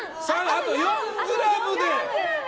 あと４ｇで。